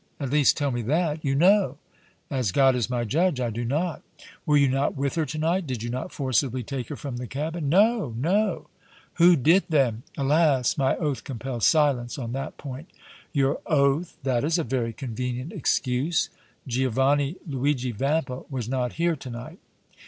At least tell me that! You know!" "As God is my judge, I do not!" "Were you not with her to night? Did you not forcibly take her from the cabin?" "No! no!" "Who did then?" "Alas! my oath compels silence on that point!" "Your oath! That is a very convenient excuse! Giovanni, Luigi Vampa was not here to night."